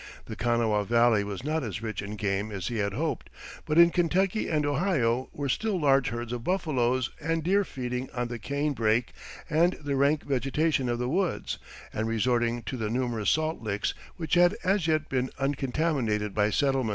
The Kanawha Valley was not as rich in game as he had hoped; but in Kentucky and Ohio were still large herds of buffaloes and deer feeding on the cane brake and the rank vegetation of the woods, and resorting to the numerous salt licks which had as yet been uncontaminated by settlement.